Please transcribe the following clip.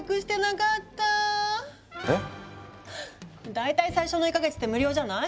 大体最初の１か月って無料じゃない？